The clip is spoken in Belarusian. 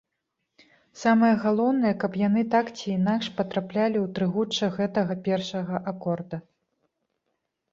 Самае галоўнае, каб яны так ці інакш патраплялі ў трыгучча гэтага першага акорда.